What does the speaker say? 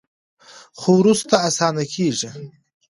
خو وروسته اسانه کیږي.